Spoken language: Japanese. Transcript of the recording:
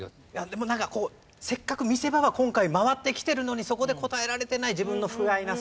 でもなんかこうせっかく見せ場が今回回ってきてるのにそこで答えられてない自分のふがいなさ。